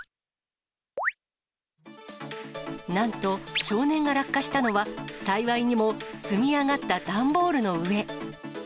なんと、少年が落下したのは、幸いにも積み上がった段ボールの上。